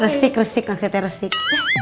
resik resik maksudnya resik